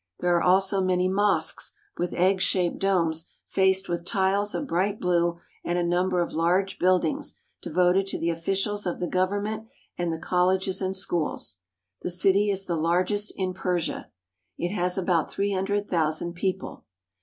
There are also many mosques with egg shaped domes faced with tiles of bright blue, and a number of large buildings, devoted to the officials of the govern ment and the colleges and schools. The city is the largest in Persia. It has about three hundred thousand people.